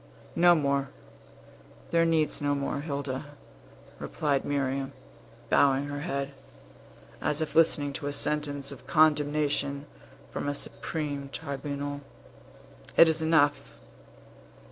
"No more; there needs no more, Hilda," replied Miriam, bowing her head, as if listening to a sentence of condemnation from a supreme tribunal. "It is enough!